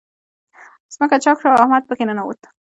ځمکه چاک شوه، او احمد په کې ننوت.